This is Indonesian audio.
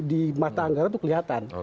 di mata anggaran itu kelihatan